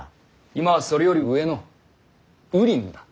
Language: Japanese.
今はそれより上の羽林だ。